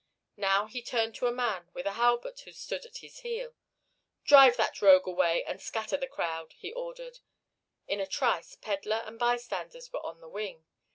Now he turned to a man with a halberd who stood at his heel. "Drive that rogue away, and scatter the crowd!" he ordered. In a trice pedler and bystanders were on the wing.